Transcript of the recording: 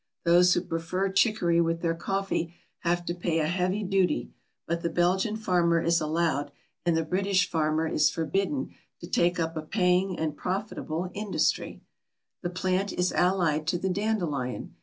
Those who prefer chicory with their coffee have to pay a heavy duty; but the Belgian farmer is allowed and the British farmer is forbidden to take up a paying and profitable industry! The plant is allied to the dandelion.